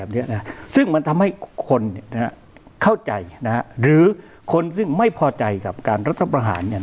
ซึ่งมันทำให้คนเข้าใจหรือคนซึ่งไม่พอใจกับการรัฐประหาร